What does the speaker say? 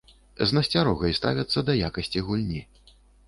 З насцярогай ставяцца да якасці гульні.